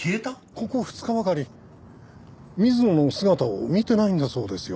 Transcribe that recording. ここ２日ばかり水野の姿を見てないんだそうですよ。